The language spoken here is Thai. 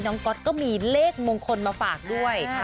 ก๊อตก็มีเลขมงคลมาฝากด้วย